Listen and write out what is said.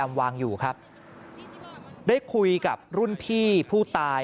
มันมีปืนมันมีปืน